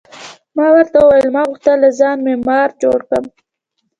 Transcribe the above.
ما ورته وویل: ما غوښتل له ځانه معمار جوړ کړم.